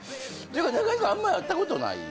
中居君あんま会ったことない。